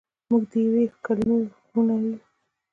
موږ دیوې کلیمې وړونه یو.